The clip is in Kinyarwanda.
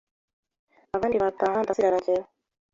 abandi Barataha ndasigara njyewe